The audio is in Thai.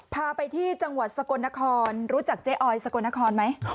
พาไปที่จังหวัดสกลนครรู้จักเจ๊ออยสกลนครไหม